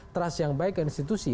trust yang baik ke institusi